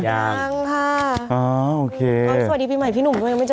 ยังค่ะอ๋อโอเคสวัสดีปีใหม่พี่หนุ่มยังไม่เจอพี่หนุ่ม